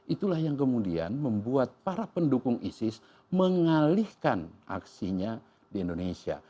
itulah yang kemudian membuat para pendukung isis mengalihkan aksinya di indonesia